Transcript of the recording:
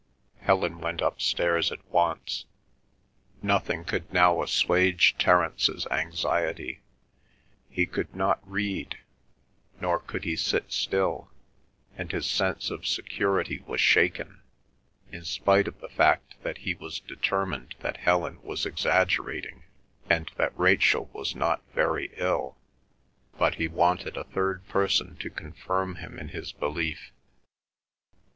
Helen went upstairs at once. Nothing now could assuage Terence's anxiety. He could not read, nor could he sit still, and his sense of security was shaken, in spite of the fact that he was determined that Helen was exaggerating, and that Rachel was not very ill. But he wanted a third person to confirm him in his belief.